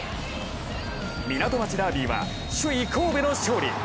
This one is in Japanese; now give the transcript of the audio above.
港町ダービーは首位・神戸の勝利。